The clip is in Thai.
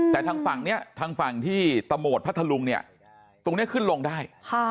แต่ทางฝั่งที่ตะโมดพัทธลุงตรงนี้ขึ้นลงได้